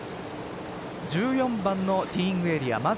１４番のティーイングエリア